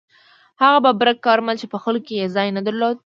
هغه ببرک کارمل چې په خلکو کې ځای نه درلود.